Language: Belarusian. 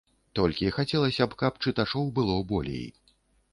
Толькі хацелася б, каб чытачоў было болей.